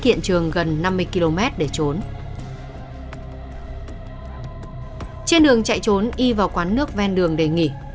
giang anh đã đi vào quán nước ven đường để nghỉ